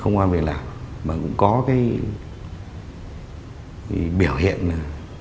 không quan về lạc mà cũng có cái biểu hiện là